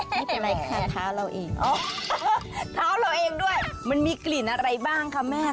ไม่เป็นไรค่ะท้าเราเองด้วยมันมีกลิ่นอะไรบ้างค่ะแม่